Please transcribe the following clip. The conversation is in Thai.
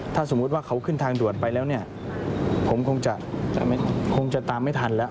ถ้าสมมุติว่าเขาขึ้นทางด่วนไปแล้วเนี่ยผมคงจะคงจะตามไม่ทันแล้ว